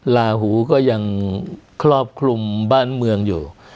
ลาหูก็ยังครอบคลุมบ้านเมืองอยู่